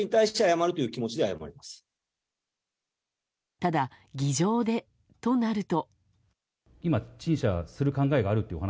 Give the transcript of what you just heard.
ただ、議場でとなると。